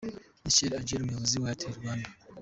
Michael Adjei umuyobozi wa Airtel Rwanda.